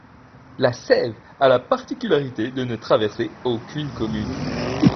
La Sèves a la particularité de ne traverser aucune commune.